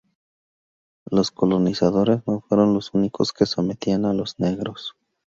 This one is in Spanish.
Los colonizadores no fueron los únicos que sometían a los negros.